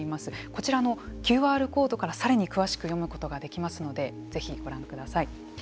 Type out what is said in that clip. こちらのＱＲコードからさらに詳しく読むことができますのでぜひ、ご覧ください。